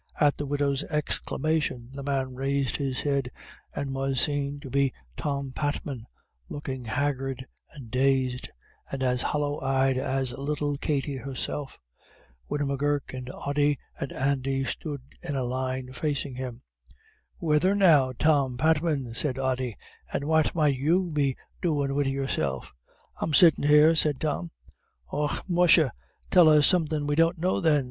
At the widow's exclamation the man raised his head, and was seen to be Tom Patman, looking haggard and dazed, and as hollow eyed as little Katty herself. Widow M'Gurk and Ody and Andy stood in a line facing him. "Whethen now, Tom Patman," said Ody, "and what might you be doin' wid yourself?" "I'm sittin' here," said Tom. "Och musha, tell us somethin' we don't know then.